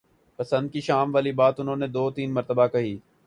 پسند کی شام والی بات انہوں نے دو تین مرتبہ کہی۔